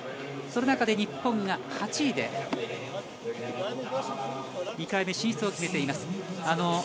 その中で、日本が８位で２回目進出を決めています。